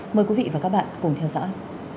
mời quý vị và các bạn cùng theo dõi